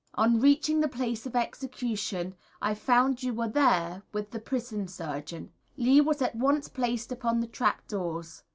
On reaching the place of execution I found you were there with the Prison Surgeon. Lee was at once placed upon the trap doors.